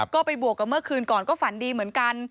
ก็ไปบวกกับเมื่อคืนก่อนก็ฝันดีเหมือนกัน